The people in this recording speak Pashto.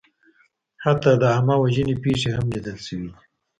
حتی د عامهوژنې پېښې هم لیدل شوې دي.